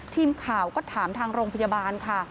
ทีมข่าวก็ถามทางโรงพยาบาลค่ะ